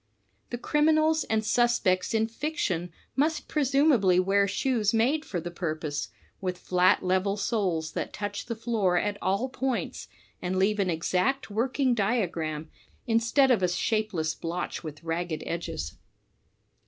The criminals and suspects in fiction must presumably wear shoes made for the purpose, with flat level soles that touch the floor at all points and leave an exact working diagram, instead of a shapeless blotch with ragged edges.